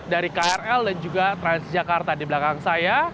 dari krl dan juga transjakarta di belakang saya